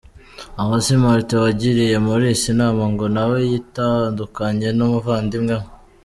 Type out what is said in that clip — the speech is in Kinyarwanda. Aho si Martin wagiriye Maurice inama ngo nawe yitandukanye n’umuvandimwe we?